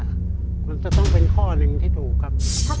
๙๗กับ๖๓เนี่ยมันจะต้องเป็นข้อหนึ่งที่ถูกครับ